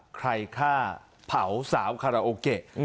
ใครฆ่าเผาสาวคาราโอเกะ